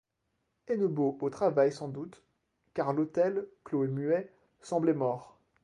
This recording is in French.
Hennebeau au travail sans doute, car l'hôtel, clos et muet, semblait mort.